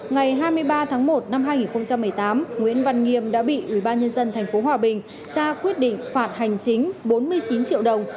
ngày hai mươi ba tháng một năm hai nghìn một mươi tám nguyễn văn nghiêm đã bị ủy ban nhân dân thành phố hòa bình ra quyết định phạt hành chính bốn mươi chín triệu đồng